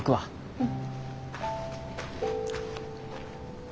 うん。